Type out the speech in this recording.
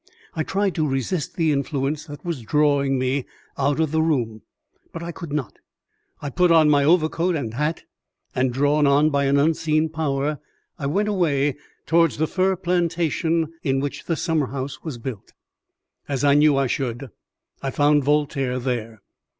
I tried to resist the influence that was drawing me out of the room, but I could not. I put on my overcoat and hat, and, drawn on by an unseen power, I went away towards the fir plantation in which the summer house was built. As I knew I should, I found Voltaire there.